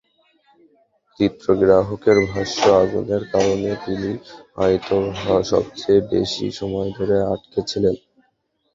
চিত্রগ্রাহকের ভাষ্য, আগুনের কারণে তিনিই হয়তো সবচেয়ে বেশি সময় ধরে আটকে ছিলেন।